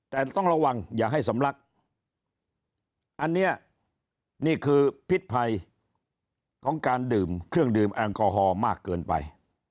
แต่ต้องระวังอย่าให้สำลักอันนี้นี่คือพิษภัยของการดื่มเครื่องดื่มแอลกอฮอล์มากเกินไป